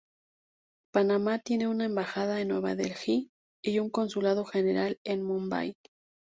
Panamá tiene una Embajada en Nueva Delhi y un Consulado General en Mumbai.